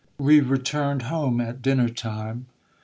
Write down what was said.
We returned home at dinner time.